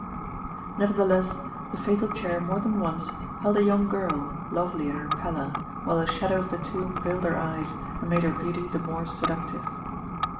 Nevertheless, the fatal chair more than once held a young girl, lovely in her pallor, while a shadow of the tomb veiled her eyes and made her beauty the more seductive.